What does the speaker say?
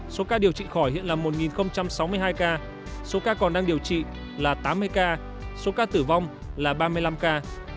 số ca điều trị khỏi hiện là một sáu mươi hai ca số ca còn đang điều trị là tám mươi ca số ca tử vong là ba mươi năm ca